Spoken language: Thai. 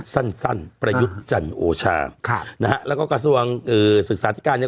นะฮะสั้นประยุทธ์จันทร์โอชานะฮะแล้วก็กระทรวงศึกษาที่๙นี้